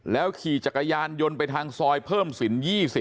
ขี่จักรยานยนต์ไปทางซอยเพิ่มสิน๒๐